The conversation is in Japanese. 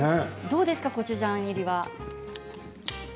どうですかコチュジャン入りは。